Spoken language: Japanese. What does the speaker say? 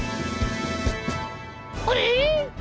あれ？